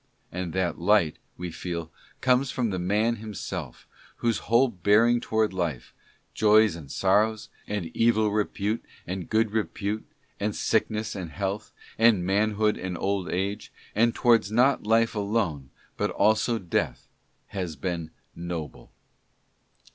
And that light, we feel, comes from the man himself, whose whole bearing towards life — joys and sorrows, and evil repute and good repute, and sickness and health, and manhood and old age — and towards not life alone but also death, has been noble.